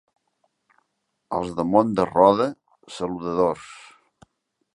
Els del Mont de Roda, saludadors.